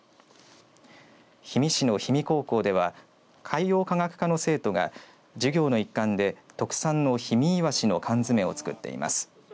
氷見市の氷見高校では海洋科学科の生徒が授業の一環で特産の氷見イワシの缶詰を作っています。